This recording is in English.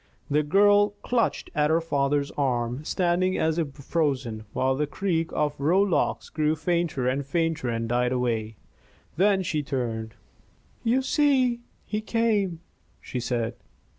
The girl clutched at her father's arm, standing as if frozen while the creak of rowlocks grew fainter and fainter and died away. Then she turned. "You see he came!" she said.